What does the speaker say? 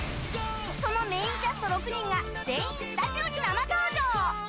そのメインキャスト６人が全員スタジオに生登場。